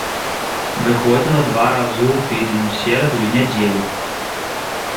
Выходзіла два разу ў тыдзень у сераду і нядзелю.